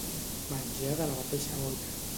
Menjar de la mateixa olla.